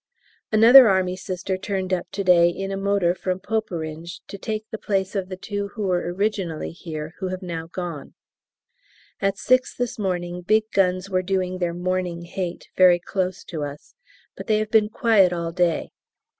Another Army Sister turned up to day in a motor from Poperinghe to take the place of the two who were originally here, who have now gone. At six this morning big guns were doing their Morning Hate very close to us, but they have been quiet all day.